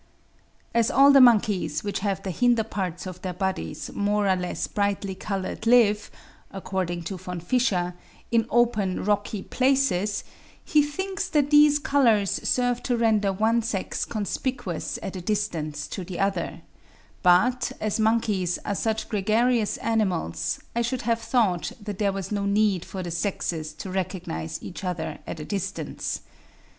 As all the monkeys which have the hinder parts of their bodies more or less brightly coloured live, according to Von Fischer, in open rocky places, he thinks that these colours serve to render one sex conspicuous at a distance to the other; but, as monkeys are such gregarious animals, I should have thought that there was no need for the sexes to recognise each other at a distance.